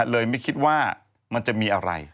ไม่คิดว่ามันจะมีอะไร